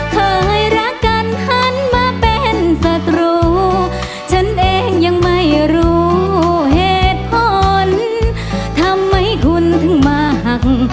เคยรักกันหันมาเป็นศัตรูฉันเองยังไม่รู้เหตุผลทำไมคุณถึงมาหัก